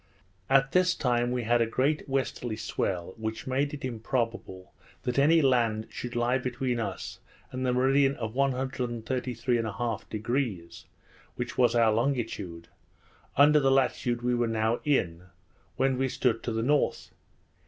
At this time we had a great westerly swell, which made it improbable that any land should lie between us and the meridian of 133° 1/2, which was our longitude, under the latitude we were now in, when we stood to the north.